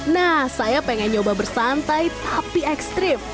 nah saya ingin mencoba bersantai tapi ekstrim